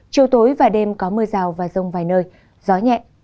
chiều tối và đêm có mưa rào và rông vài nơi gió nhẹ